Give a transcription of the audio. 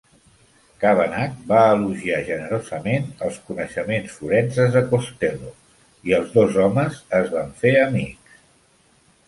Kavanagh va elogiar generosament els coneixements forenses de Costello, i els dos homes es van fer amics.